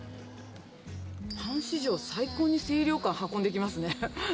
パン史上最高に清涼感運んできますね。